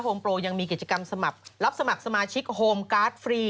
มโปรยังมีกิจกรรมสมัครรับสมัครสมาชิกโฮมการ์ดฟรี